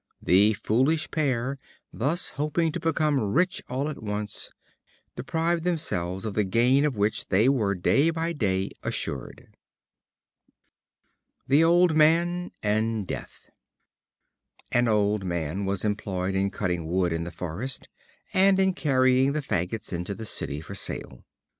The foolish pair, thus hoping to become rich all at once, deprived themselves of the gain of which they were day by day assured. The Old Man and Death. An old man was employed in cutting wood in the forest, and, in carrying the fagots into the city for sale.